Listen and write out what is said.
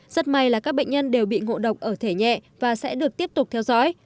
rất may là các bệnh nhân đều bị ngộ độc ở thể nhẹ và sẽ được tiếp tục theo dõi